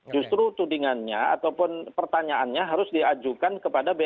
justru tudingannya ataupun pertanyaannya harus diajukan kepada bp